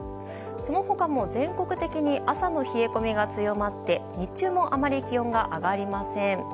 その他も全国的に朝の冷え込みが強まって日中もあまり気温が上がりません。